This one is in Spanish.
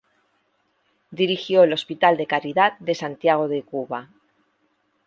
Dirigió el Hospital de Caridad de Santiago de Cuba.